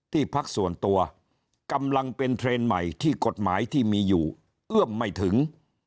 พักส่วนตัวกำลังเป็นเทรนด์ใหม่ที่กฎหมายที่มีอยู่เอื้อมไม่ถึง